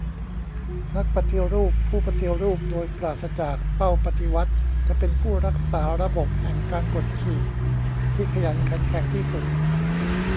นักปฏิรูปผู้ปฏิรูปโดยปราศจากเป้าปฏิวัติ จะเป็นผู้รักษาระบบแห่งการกดขี่ที่ขยันขันแข็งที่สุด